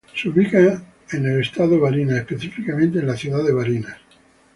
Se ubica en el Estado Barinas, específicamente en la Ciudad de Barinas.